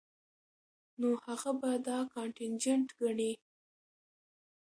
نو هغه به دا کانټنجنټ ګڼي